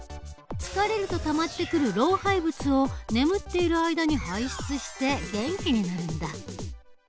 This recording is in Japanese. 疲れるとたまってくる老廃物を眠っている間に排出して元気になるんだ。